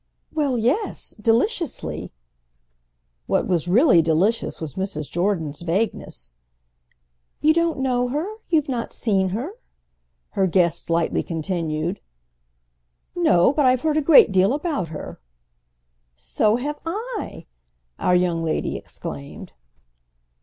"Well, yes; deliciously." What was really delicious was Mrs. Jordan's vagueness. "You don't know her—you've not seen her?" her guest lightly continued. "No, but I've heard a great deal about her." "So have I!" our young lady exclaimed.